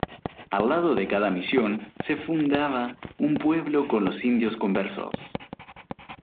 Al lado de cada misión se fundaba un pueblo con los indios conversos.